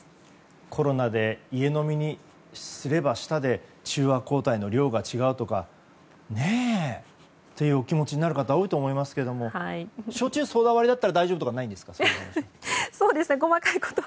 コロナで家飲みにすればしたで中和抗体の量が違うとかね。というお気持ちになる方多いと思いますが焼酎ソーダ割だったら大丈夫とかはないんですか。